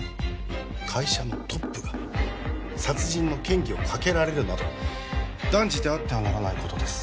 会社のトップが殺人の嫌疑をかけられるなど断じてあってはならないことです